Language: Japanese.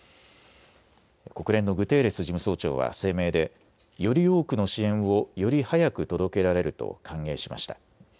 国連のグテーレス事務総長は声明でより多くの支援をより早く届けられると歓迎しました。